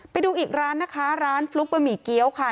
ไปดูอีกร้านนะคะร้านฟลุ๊กบะหมี่เกี้ยวค่ะ